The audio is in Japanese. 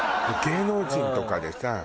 芸能人とかでさ。